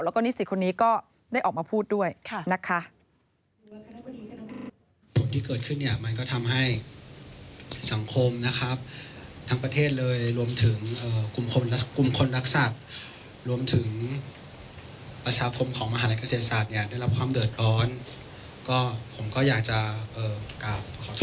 แล้วก็นิสิตคนนี้ก็ได้ออกมาพูดด้วยนะคะ